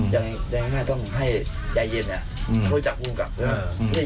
ยังง่ายต้องให้ใยเย็นฯโทรจากรุงกลับ